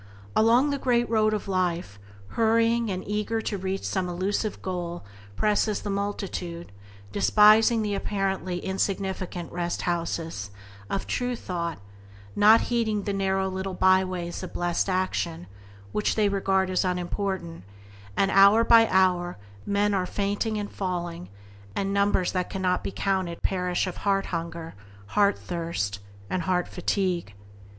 Along the great road of life, hurrying, and eager to reach some elusive goal, presses the multitude, despising the apparently insignificant "rest houses" of true thought, not heeding the narrow little byways of blessed action, which they regard as unimportant; and hour by hour men are fainting and falling, and numbers that cannot be counted perish of heart hunger, heart thirst, and heart fatigue.